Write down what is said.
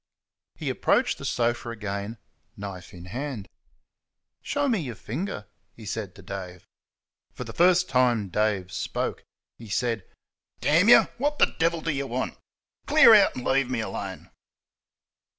He approached the sofa again, knife in hand. "Show me yer finger," he said to Dave. For the first time Dave spoke. He said: "Damn y' what the devil do y' want? Clear out and lea' me 'lone."